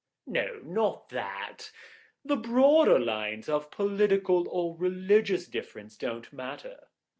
"No, not that. The broader lines of political or religious difference don't matter.